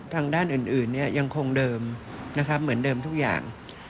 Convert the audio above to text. ทางด้านอื่นเนี่ยยังคงเดิมนะครับเหมือนเดิมทุกอย่าง